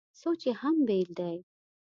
سوچ یې هم بېل دی.